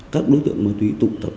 các đối tượng ma túy tụ tập